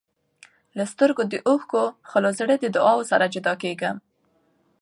له سترګو د اوښکو، خو له زړګي د دعاوو سره جدا کېږم.